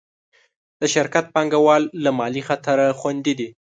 د شرکت پانګهوال له مالي خطره خوندي دي.